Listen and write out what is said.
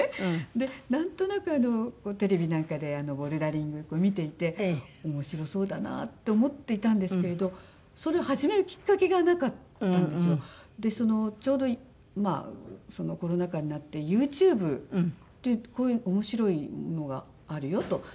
でなんとなくテレビなんかでボルダリングを見ていて面白そうだなって思っていたんですけれどそれを始めるきっかけがなかったんですよ。でちょうどまあコロナ禍になってＹｏｕＴｕｂｅでこういう面白いのがあるよと。